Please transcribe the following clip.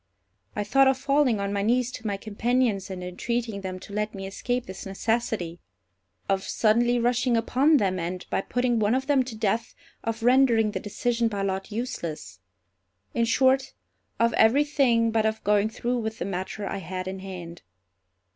I thought of falling on my knees to my companions, and entreating them to let me escape this necessity; of suddenly rushing upon them, and, by putting one of them to death, of rendering the decision by lot useless—in short, of every thing but of going through with the matter I had in hand.